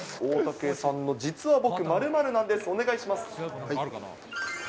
大竹さんの実は僕○○なんです、お願いします。